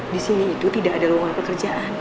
disini itu tidak ada ruangan pekerjaan